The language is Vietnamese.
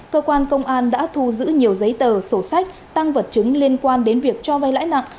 cơ quan công an đã thu giữ nhiều giấy tờ sổ sách tăng vật chứng liên quan đến việc cho vay lãi nặng